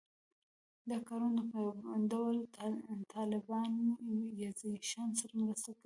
دا کارونه په یو ډول د طالبانیزېشن سره مرسته کوي